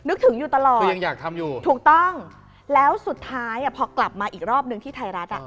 นึกถึงอยู่ตลอดถูกต้องแล้วสุดท้ายพอกลับมาอีกรอบหนึ่งที่ไทยรัฐ